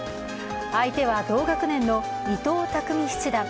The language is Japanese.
相手は同学年の伊藤匠七段。